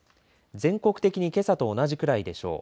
全国的にけさと同じくらいでしょう。